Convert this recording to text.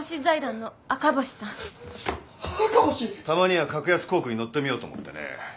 たまには格安航空に乗ってみようと思ってね。